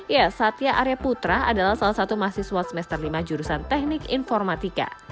ya satya aryaputra adalah salah satu mahasiswa semester lima jurusan teknik informatika